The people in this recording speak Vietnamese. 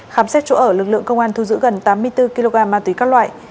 khám xét chỗ ở lực lượng công an thu giữ gần tám mươi bốn kg ma túy các loại